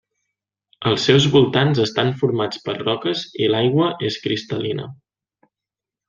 Els seus voltants estan formats per roques i l'aigua és cristal·lina.